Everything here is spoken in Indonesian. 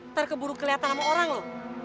ntar keburu keliatan sama orang lo